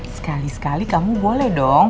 sekali sekali kamu boleh dong